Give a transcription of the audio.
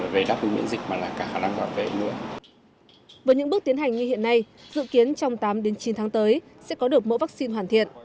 với những bước tiến hành như hiện nay dự kiến trong tám chín tháng tới sẽ có được mẫu vaccine hoàn thiện